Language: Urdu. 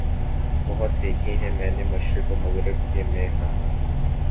بہت دیکھے ہیں میں نے مشرق و مغرب کے مے خانے